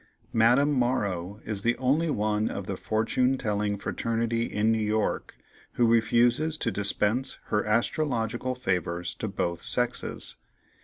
Madame Morrow is the only one of the fortune telling fraternity in New York who refuses to dispense her astrological favors to both sexes.